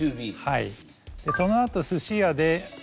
はい。